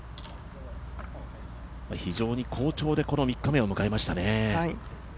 非常に好調でこの３日目を迎えましたね。